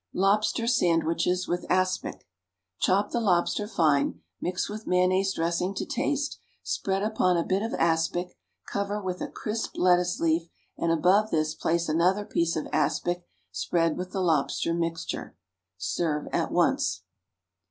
=Lobster Sandwiches with Aspic.= Chop the lobster fine, mix with mayonnaise dressing to taste, spread upon a bit of aspic, cover with a crisp lettuce leaf, and above this place another piece of aspic spread with the lobster mixture. Serve at once.